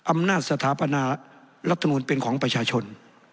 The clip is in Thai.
อำนาจสถาปนารัฐมนูลเป็นของประชาชน